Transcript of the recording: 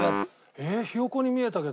えっひよ子に見えたけど俺。